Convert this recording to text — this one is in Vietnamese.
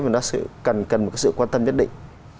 nó cần một sự quan tâm nhất định